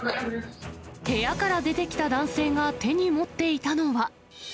部屋から出てきた男性が手に持っていたのは。